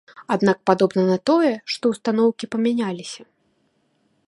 Аднак падобна на тое, што ўстаноўкі памяняліся.